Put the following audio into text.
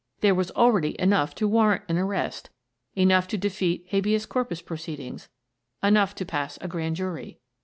There was already enough to warrant an arrest ; enough to defeat habeas corpus proceedings, enough to pass a grand jury.